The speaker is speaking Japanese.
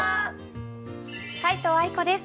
皆藤愛子です。